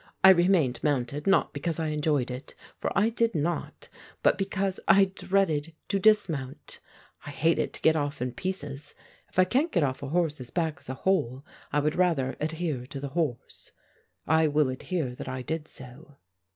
I remained mounted not because I enjoyed it, for I did not, but because I dreaded to dismount. I hated to get off in pieces. If I can't get off a horse's back as a whole, I would rather adhere to the horse. I will adhere that I did so.